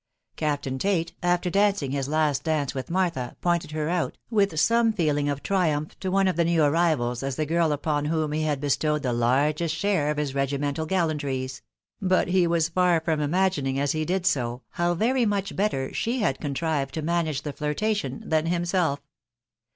Captain Tate, after dancing #his last dance with Martha, pointed her out, with some feeling of triumph, to one of the new arrivals as the girl upon whom he had bestowed the largest share of his regimental gallantries ; bat he was far from imagining, as he did so, how very much better she had contrived to manage the flirtation than himself.